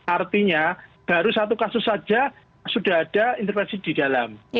artinya baru satu kasus saja sudah ada intervensi di dalam